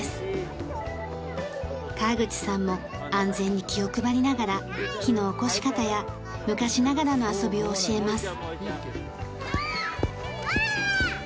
川口さんも安全に気を配りながら火のおこし方や昔ながらの遊びを教えます。